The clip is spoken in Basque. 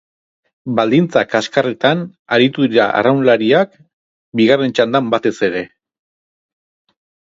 Baldintza kaskarretan aritu dira arraunlariak, bigarren txandan batez ere.